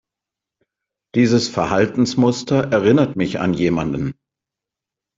Dieses Verhaltensmuster erinnert mich an jemanden.